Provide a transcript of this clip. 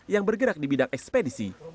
yang bergerak di bidang ekspedisi